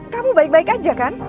kamu baik baik aja kan